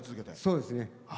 そうですね。